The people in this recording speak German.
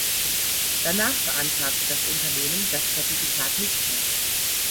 Danach beantragte das Unternehmen das Zertifikat nicht mehr.